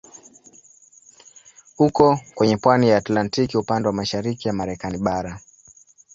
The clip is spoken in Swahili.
Uko kwenye pwani ya Atlantiki upande wa mashariki ya Marekani bara.